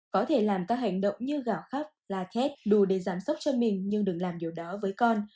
có thể làm các hành động như gạo khắp la thét đủ để giảm sốc cho mình nhưng đừng làm điều đó với con